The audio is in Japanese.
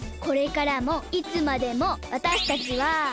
これからもいつまでもわたしたちは。